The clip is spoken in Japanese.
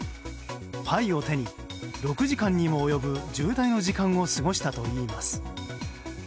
牌を手に、６時間にも及ぶ渋滞の時間を過ごしたといいます。